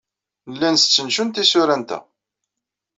Nella nestcentcun tisura-nteɣ.